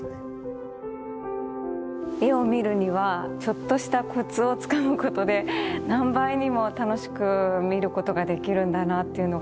絵を見るにはちょっとしたコツをつかむことで何倍にも楽しく見ることができるんだなっていうのが発見でしたね。